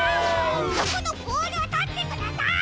そこのボールをとってください！